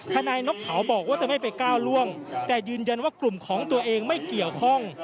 นายนกเขาบอกว่าจะไม่ไปก้าวล่วงแต่ยืนยันว่ากลุ่มของตัวเองไม่เกี่ยวข้อง